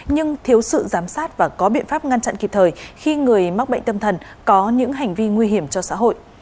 nhưng thiếu sự giám sát và có biện pháp ngăn chặn kịp thời khi người mắc bệnh tâm thần có những hành vi nguy hiểm cho xã hội